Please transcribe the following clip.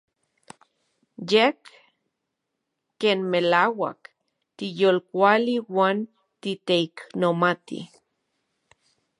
Yej ken melauak tiyolkuali uan titeiknomati.